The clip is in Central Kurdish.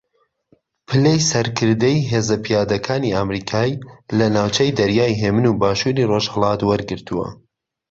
پلەی سەرکردەی ھێزە پیادەکانی ئەمریکای لە ناوچەی دەریای ھێمن و باشووری ڕۆژھەڵات وەرگرتووە